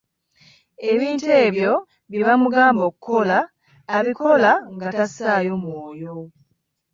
Ebintu ebyo bye bamugamba okukola abikola nga tassaayo mwoyo.